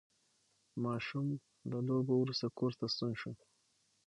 ماشوم له لوبو وروسته کور ته ستون شو